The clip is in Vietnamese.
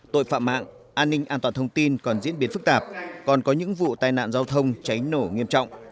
tội phạm mạng an ninh an toàn thông tin còn diễn biến phức tạp còn có những vụ tai nạn giao thông cháy nổ nghiêm trọng